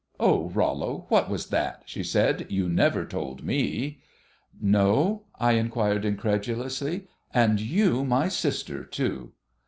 "Oh, Rollo, what was that?" she said. "You never told me." "No?" I inquired incredulously. "And you my sister, too!